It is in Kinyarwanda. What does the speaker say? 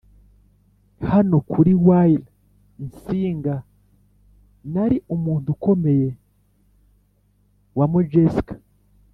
hano kuri wire. .. insinga.nari umuntu ukomeye wa mojeska